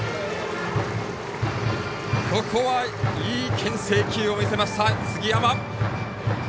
ここは、いいけん制球を見せました、杉山。